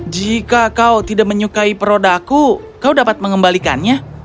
jika kau tidak menyukai perodaku kau dapat mengembalikannya